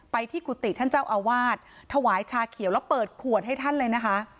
ที่กุฏิท่านเจ้าอาวาสถวายชาเขียวแล้วเปิดขวดให้ท่านเลยนะคะ